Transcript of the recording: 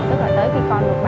tức là tới khi con đi được